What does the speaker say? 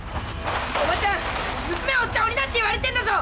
おばちゃん娘を売った鬼だって言われてんだぞ。